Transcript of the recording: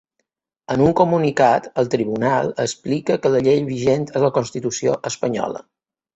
En un comunicat, el tribunal explica que la llei vigent és la constitució espanyola.